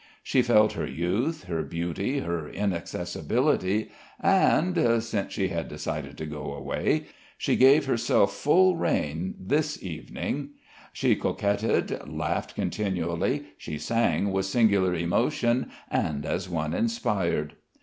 She felt her youth, her beauty, her inaccessibility, and since she had decided to go away she gave herself full rein this evening. She coquetted, laughed continually, she sang with singular emotion, and as one inspired.